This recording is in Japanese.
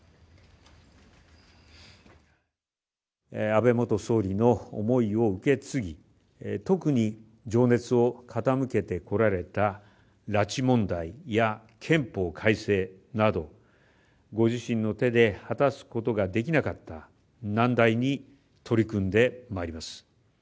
安倍元総理の思いを受け継ぎ、特に情熱を傾けてこられた拉致問題や憲法改正など、ご自身の手で果たすことができなかった難題に取り組んでまいります。